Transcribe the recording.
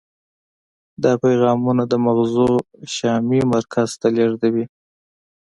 دا پیغامونه د مغزو شامعي مرکز ته لیږدوي.